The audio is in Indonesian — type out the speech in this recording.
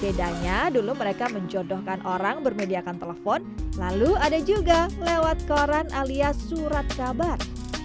bedanya dulu mereka menjodohkan orang bermediakan telepon lalu ada juga lewat koran alias surat kabar